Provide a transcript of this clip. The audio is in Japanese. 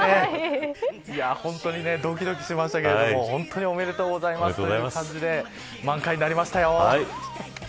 本当にドキドキしましたけれど本当におめでとうございますという感じで満開になりましたよ。